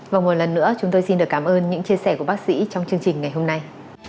và một lần nữa chúng tôi xin được cảm ơn những chia sẻ của bác sĩ trong chương trình ngày hôm nay